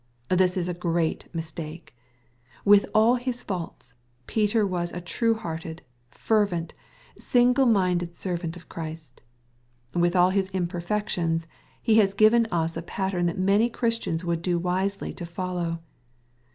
This is a great mistake. With all his faults, Peter was a true hearted7?ervent, single minded servant of Christ. With all his imperfections, he has given us a pattern that many Christians would do wisely to follow.